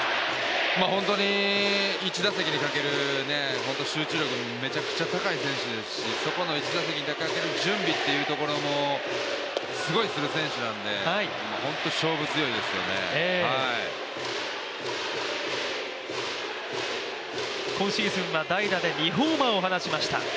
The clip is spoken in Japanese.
本当に１打席にかける集中力がめちゃくちゃ高い選手ですしそこにかける準備っていうところもすごいする選手なので、今シーズンは代打で２ホーマーを放ちました。